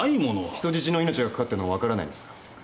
人質の命がかかってるのが分からないんですか？